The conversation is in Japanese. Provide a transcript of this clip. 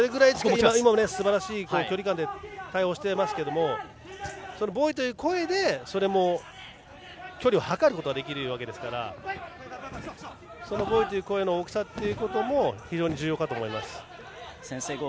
すばらしい距離感で対応していますがボイという声で距離を測ることができるわけですからそのボイという声の大きさも非常に重要かと思います。